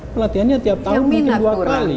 pelatihannya tiap tahun mungkin dua kali